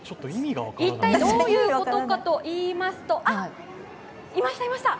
一体どういうことかといいますと、あっ、いました、いました！